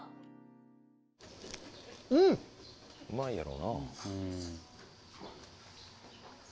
うまいやろな。